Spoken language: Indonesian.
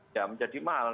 ya menjadi mahal